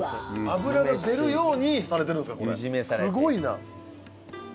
脂が出るようにされてるんですかすごいな。